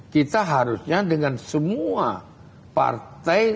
kita harusnya dengan semua partai